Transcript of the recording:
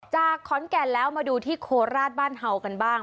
จากขอนแก่นแล้วมาดูที่โคราชบ้านเห่ากันบ้าง